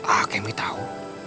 a kami tahu